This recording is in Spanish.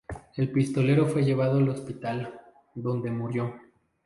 El pistolero fue llevado al hospital, donde murió.